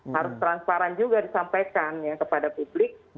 harus transparan juga disampaikan kepada publik